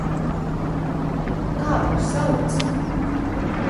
Kā viņu sauc?